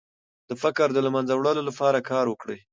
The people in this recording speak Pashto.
د فقر د له منځه وړلو لپاره کار وکړئ.